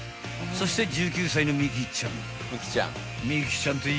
［そして１９歳の美季ちゃん］